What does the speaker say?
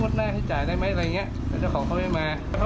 รายไม่เต็ม๑๐๐๐๐กว่าบาท